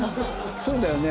そうだよね？